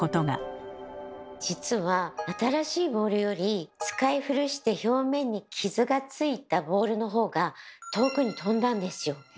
実は新しいボールより使い古して表面に傷がついたボールのほうが遠くに飛んだんですよ。